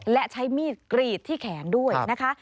และใช้มีดกรีดที่แขนด้วยนะคะ